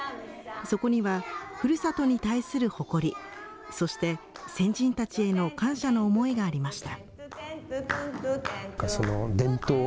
そこには、ふるさとに対する誇り、そして先人たちへの感謝の思いがありました。